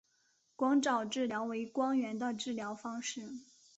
光照治疗为光源的治疗方式。